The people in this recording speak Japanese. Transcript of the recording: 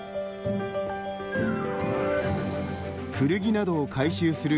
古着などを回収する